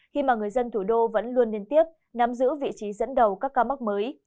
khi mà người dân thủ đô vẫn luôn liên tiếp nắm giữ vị trí dẫn đầu các ca mắc mới